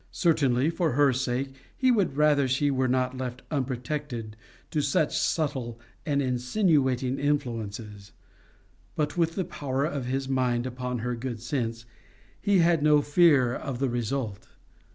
Certainly, for her sake, he would rather she were not left unprotected to such subtle and insinuating influences; but with the power of his mind upon her good sense, he had no fear of the result.